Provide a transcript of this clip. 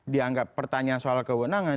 dianggap pertanyaan soal kewenangan